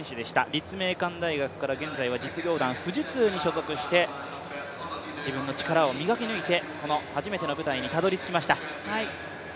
立命館大学から現在は実業団、富士通に所属して自分の力を磨き抜いて、初めての舞台にたどり着きました。